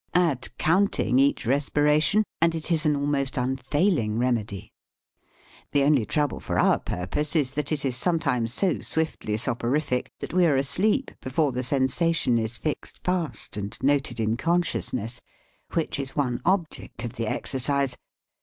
Add count ing each respiration, and it is an almost un failing remedy. The only trouble for our purpose is that it is sometimes so swiftly soporific that we are asleep before the sensa tion is fixed fast and noted in consciousness: which is one object of the exercise.